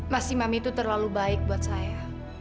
mas imam itu terlalu baik buat saya